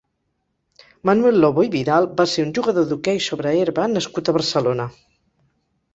Manuel Lobo i Vidal va ser un jugador d'hoquei sobre herba nascut a Barcelona.